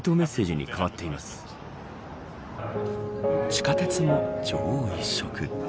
地下鉄も女王一色。